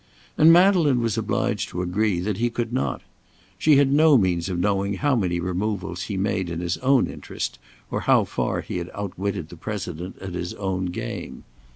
And Madeleine was obliged to agree that he could not. She had no means of knowing how many removals he made in his own interest, or how far he had outwitted the President at his own game.